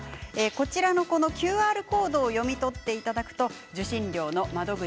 こちらのＱＲコードを読み取っていただくと受信料の窓口